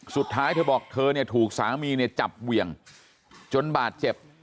สุดท้ายเธอบอกเธอเนี่ยถูกสามีเนี่ยจับเหวี่ยงจนบาดเจ็บ